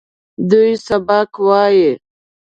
دوی سبق وايي.